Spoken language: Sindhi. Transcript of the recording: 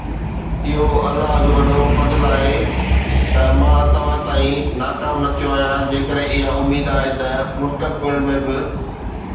اهو الله جو وڏو فضل آهي ته مان توهان تائين ناڪام نه ٿيو آهيان، جيڪڏهن اها اميد آهي ته مستقبل ۾ به